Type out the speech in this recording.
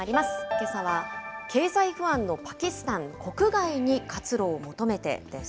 けさは経済不安のパキスタン、国外に活路を求めてです。